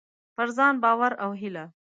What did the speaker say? پر ځان باور او هيله: